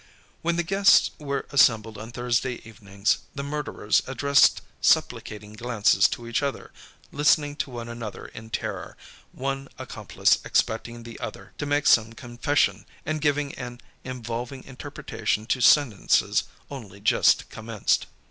When the guests were assembled on Thursday evenings, the murderers addressed supplicating glances to each other, listening to one another in terror, one accomplice expecting the other to make some confession, and giving an involving interpretation to sentences only just commenced.